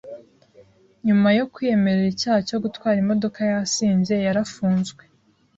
Nyuma yo kwiyemerera icyaha cyo gutwara imodoka yasinze yarafunzwe.